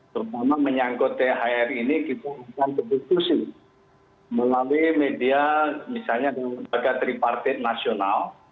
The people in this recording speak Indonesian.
terutama menyangkut thr ini kita akan berdiskusi melalui media misalnya dan lembaga tripartit nasional